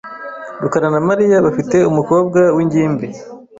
rukara na Mariya bafite umukobwa wingimbi .